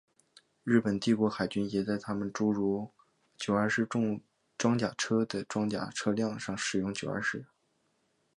日本帝国海军也在他们诸如九二式重装甲车的装甲车辆上使用九七式。